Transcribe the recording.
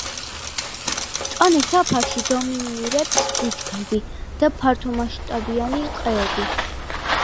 მწვანე საფარში დომინირებს ბუჩქები და ფართომასშტაბიანი ტყეები.